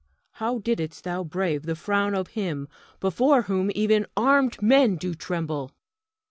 How didst thou brave the frown of him before whom even armed men do tremble?